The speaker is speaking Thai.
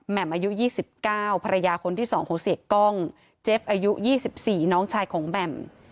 มอายุ๒๙ภรรยาคนที่๒ของเสียกล้องเจฟอายุ๒๔น้องชายของแหม่ม